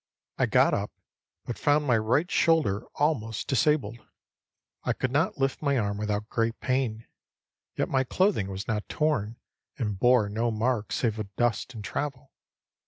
I got up, but found my right shoulder almost disabled. I could not lift my arm without great pain. Yet my clothing was not torn, and bore no marks save of dust and travel.